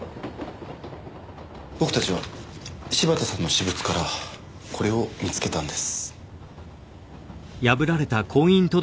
僕たちは柴田さんの私物からこれを見つけたんです。